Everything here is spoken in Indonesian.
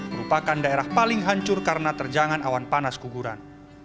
merupakan daerah paling hancur karena terjangan awan panas guguran